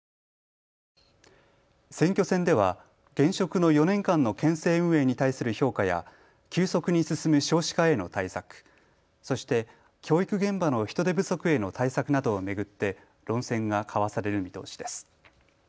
選挙戦では現職の４年間の県政運営に対する評価や急速に進む少子化への対策、そして教育現場の人手不足への対策などを巡って論戦が交わされる見通しです。